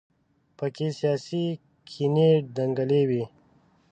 په کې سیاسي کینې دنګلې وي.